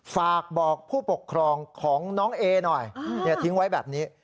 ฝากบอกผู้ปกครองของน้องเอหน่อยทิ้งไว้แบบนี้